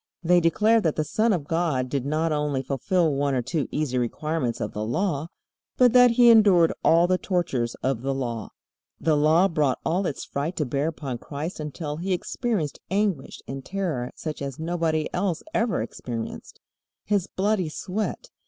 They declare that the Son of God did not only fulfill one or two easy requirements of the Law, but that He endured all the tortures of the Law. The Law brought all its fright to bear upon Christ until He experienced anguish and terror such as nobody else ever experienced. His bloody sweat.